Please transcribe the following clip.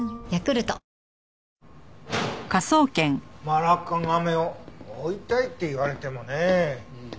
マラッカガメを追いたいって言われてもねえ。